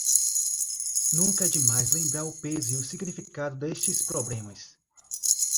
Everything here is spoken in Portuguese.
Nunca é demais lembrar o peso e o significado destes problemas